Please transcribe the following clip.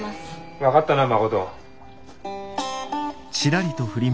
分かったな誠。